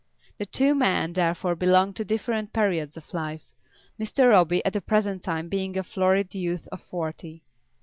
The two men therefore belonged to different periods of life, Mr. Roby at the present time being a florid youth of forty.